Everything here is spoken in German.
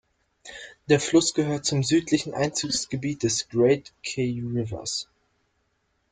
Der Fluss gehört zum südlichen Einzugsgebiet des Great Kei Rivers.